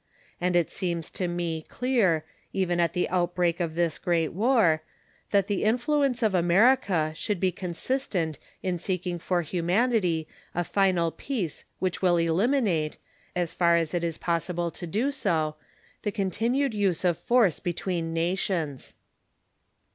And it seems to me clear, even at the outbreak of this great war, that the influence of America should be consistent in seeking for humanity a final peace which will eliminate, as far as it is possible to do so, the continued use of force between nations.